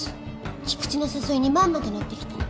菊地の誘いにまんまと乗ってきた。